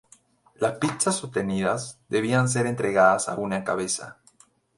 Las pizzas obtenidas, debían ser entregadas a una cabeza.